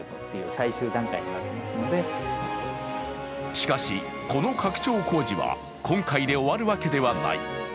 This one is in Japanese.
しかし、この拡張工事は今回で終わるわけではない。